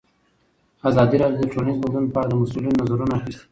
ازادي راډیو د ټولنیز بدلون په اړه د مسؤلینو نظرونه اخیستي.